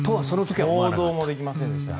想像もできませんでしたね。